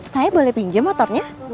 saya boleh pinjam motornya